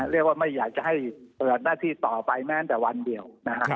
ไม่อยากจะให้เปิดหน้าที่ต่อไปแม้แต่วันเดียวนะฮะ